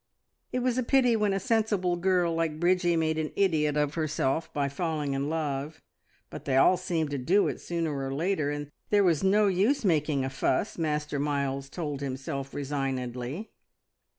It was a pity when a sensible girl like Bridgie made an idiot of herself by falling in love, but they all seemed to do it sooner or later, and there was no use making a fuss, Master Miles told himself resignedly.